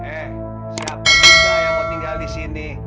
eh siapa juga yang mau tinggal di sini